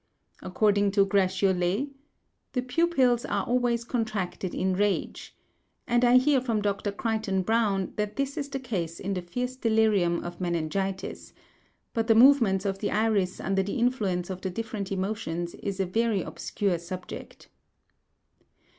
According to Gratiolet, "the pupils are always contracted in rage," and I hear from Dr. Crichton Browne that this is the case in the fierce delirium of meningitis; but the movements of the iris under the influence of the different emotions is a very obscure subject.